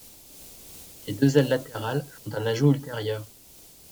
Les deux ailes latérales sont un ajout ultérieur.